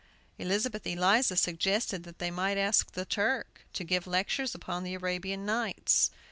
Elizabeth Eliza suggested that they might ask the Turk to give lectures upon the "Arabian Nights."